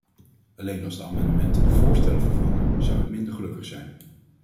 Alleen als de amendementen de voorstellen vervangen, zou ik minder gelukkig zijn.